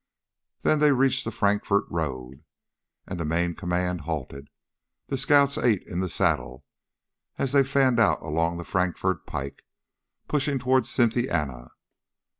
Then they reached the Frankfort road, and the main command halted. The scouts ate in the saddle as they fanned out along the Frankfort pike, pushing toward Cynthiana.